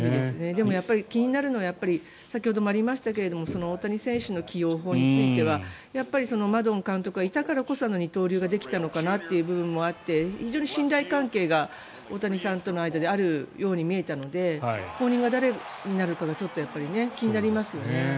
でも気になるのは先ほどもありましたが大谷選手の起用法についてはマドン監督がいたからこそあの二刀流ができたのかなという部分があって非常に信頼関係が大谷さんとの間にあるように見えたので後任が誰になるかが気になりますよね。